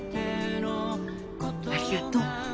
ありがとう。